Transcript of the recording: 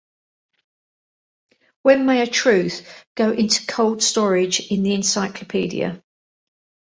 When may a truth go into cold-storage in the encyclopedia?